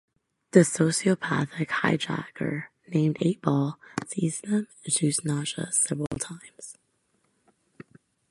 A sociopathic hijacker named Eightball sees them and shoots Nadja several times.